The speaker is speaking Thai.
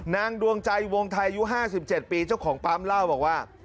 นางดวงใจวงไทยอยู่ห้าสิบเจ็ดปีเจ้าของปั๊มเล่าบอกว่า